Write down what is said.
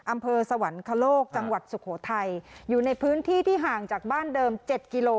อำเภอสวรรคโลกจังหวัดสุโขทัยอยู่ในพื้นที่ที่ห่างจากบ้านเดิมเจ็ดกิโล